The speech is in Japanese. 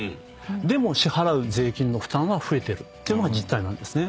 でも支払う税金の負担は増えてるっていうのが実態なんですね。